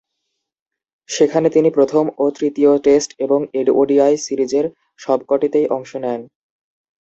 সেখানে তিনি প্রথম ও তৃতীয় টেস্ট এবং ওডিআই সিরিজের সবকটিতেই অংশ নেন।